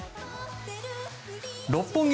六本木